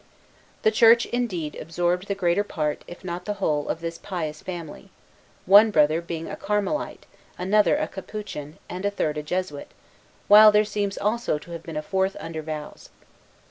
The Church, indeed, absorbed the greater part, if not the whole, of this pious family, one brother being a Carmelite, another a Capuchin, and a third a Jesuit, while there seems also to have been a fourth under vows.